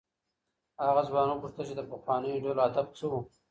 هغه ځوان وپوښتل چي د پخوانيو ډلو هدف څه و.